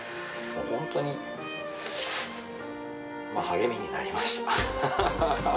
本当に励みになりました。